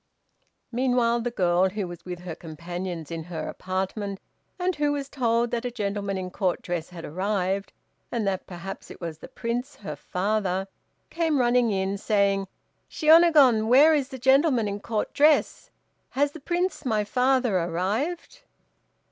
Meanwhile the girl, who was with her companions in her apartment, and who was told that a gentleman in Court dress had arrived, and that perhaps it was the Prince, her father, came running in, saying, "Shiônagon, where is the gentleman in Court dress; has the Prince, my father, arrived?"